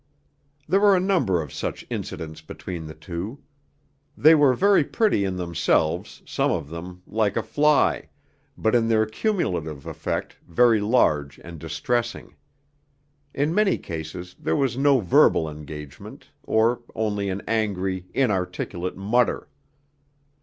There were a number of such incidents between the two; they were very petty in themselves, some of them, like a fly, but in their cumulative effect very large and distressing. In many cases there was no verbal engagement, or only an angry, inarticulate mutter.